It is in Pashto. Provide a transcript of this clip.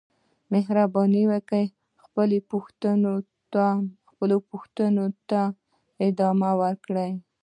مهرباني وکړئ خپلو پوښتنو ته ادامه ورکړئ.